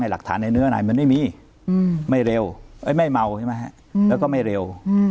ลักษณะในเนื้อในมันไม่มีไม่เมาและไม่เร็ว